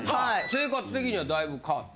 生活的にはだいぶ変わった？